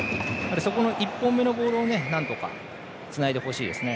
そこの１本目のボールをつないでほしいですね。